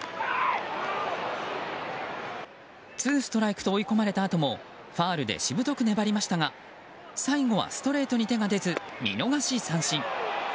ツーストライクと追い込まれたあともファウルでしぶとく粘りましたが最後はストレートに手が出ず見逃し三振。